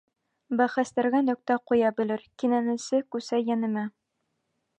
Бәхәстәргә нөктә ҡуя белер, Кинәнесе күсә йәнемә.